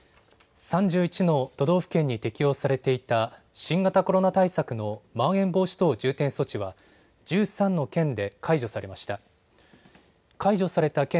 ３１の都道府県に適用されていた新型コロナ対策のまん延防止等重点措置は１３の県で解除されました。